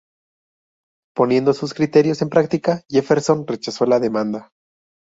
Poniendo sus criterios en práctica, Jefferson rechazó la demanda.